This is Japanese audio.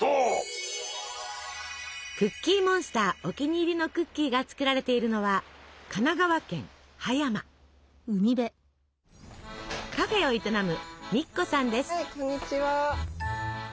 クッキーモンスターお気に入りのクッキーが作られているのはカフェを営むこんにちは。